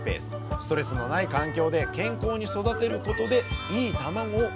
ストレスのない環境で健康に育てることでいいたまごを産むといいます